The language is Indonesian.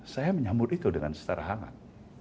saya menyambut itu dengan setara hangat